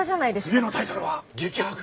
次のタイトルは「激白！